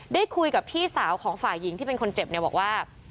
ได้คุยกับพี่สาวของฝ่ายหญิงที่เป็นคนเจ็บเนี่ยบอกว่า